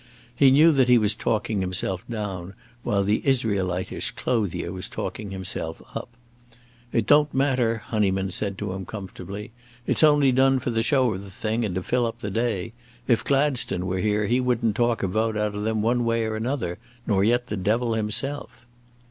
He knew that he was talking himself down while the Israelitish clothier was talking himself up. "It don't matter," Honyman said to him comfortably. "It's only done for the show of the thing and to fill up the day. If Gladstone were here he wouldn't talk a vote out of them one way or the other; nor yet the devil himself."